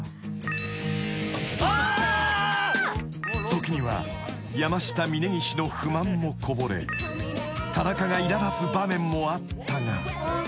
［時には山下峯岸の不満もこぼれ田中がいら立つ場面もあったが］